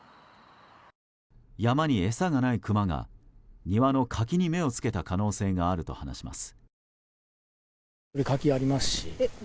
山に餌がないクマが庭の柿に目を付けた可能性があると話します。